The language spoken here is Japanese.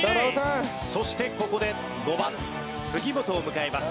そしてここで５番杉本を迎えます。